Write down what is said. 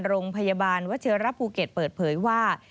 โรงพยาบาลวัชิระภูเก็ตเปิดเผยว่า